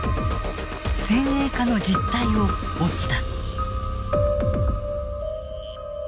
先鋭化の実態を追った。